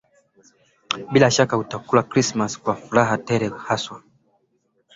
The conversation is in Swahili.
bila shaka atakula krismasi kwa furaha tele haswa